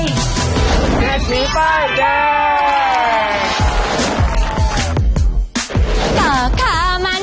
เซธีป้ายแดง